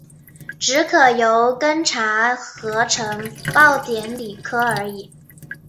只可由庚查核呈报典礼科而已。